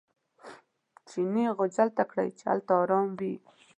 چیني غوجل ته کړئ چې هلته ارام وي.